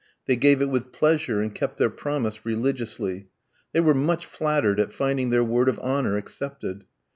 They gave it with pleasure, and kept their promise religiously. They were much flattered at finding their word of honour accepted.